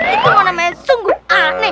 itu namanya sungguh aneh